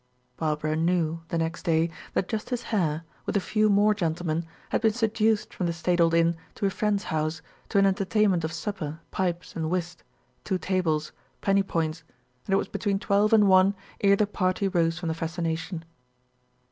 Barbara knew, the next day, that Justice Hare, with a few more gentlemen, had been seduced from the staid old inn to a friend's house, to an entertainment of supper, pipes, and whist, two tables, penny points, and it was between twelve and one ere the party rose from the fascination.